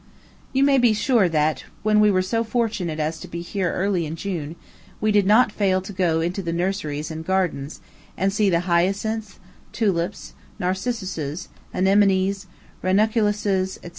You may be sure that, when we were so fortunate as to be here early in June, we did not fail to go into the nurseries and gardens, and see the hyacinths, tulips, narcissuses, anemones, ranunculuses, &c.